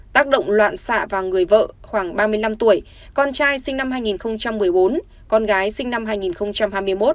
tác động loạn xạ vào người vợ khoảng ba mươi năm tuổi con trai sinh năm hai nghìn một mươi bốn con gái sinh năm hai nghìn hai mươi một